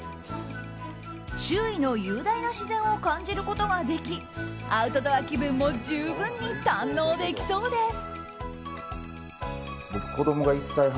周囲の雄大な自然を感じることができアウトドア気分も十分に堪能できそうです。